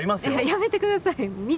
やめてください